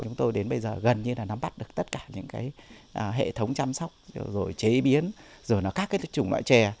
chúng tôi đến bây giờ gần như nắm bắt được tất cả những hệ thống chăm sóc chế biến các trùng loại trè